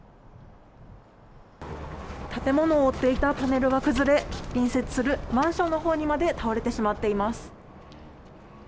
建物を覆っていたパネルが崩れ、隣接するマンションのほうにまで倒れてしまっています。